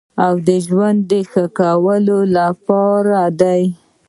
او د ژوند د ښه کولو لپاره دی.